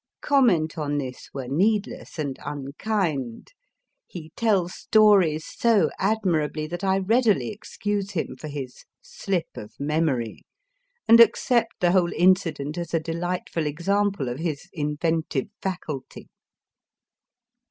Comment on this were needless and unkind : he tells stories so admirably that I readily excuse him for his slip of memory, and accept the whole incident as a delightful example of his inventive faculty.